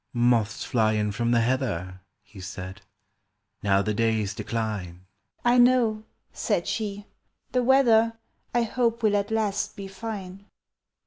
"Moths fly in from the heather," He said, "now the days decline." "I know," said she. "The weather, I hope, will at last be fine.